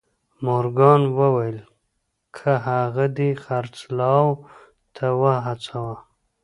مورګان وویل که هغه دې خرڅلاو ته وهڅاوه